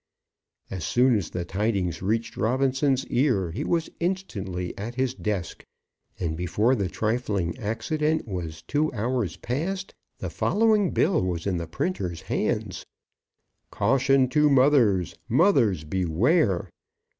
As soon as the tidings reached Robinson's ears he was instantly at his desk, and before the trifling accident was two hours passed, the following bill was in the printer's hands; CAUTION TO MOTHERS! MOTHERS, BEWARE!